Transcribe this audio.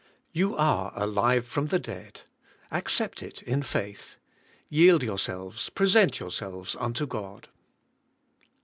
You are alive from the dead; accept it in faith. Yield yourselves, present yourselves unto God.